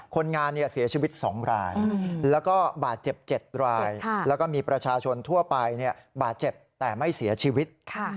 คนงานเสียชีวิต๒รายแล้วก็บาดเจ็บ๗รายแล้วก็มีประชาชนทั่วไปบาดเจ็บแต่ไม่เสียชีวิต